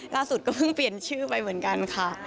ล่าสุดก็เพิ่งเปลี่ยนชื่อไปเหมือนกันค่ะ